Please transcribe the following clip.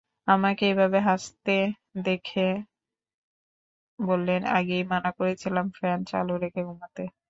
আমাকে এভাবে হাঁচতে দেখে বললেন, আগেই মানা করেছিলাম ফ্যান চালু রেখে ঘুমাতে।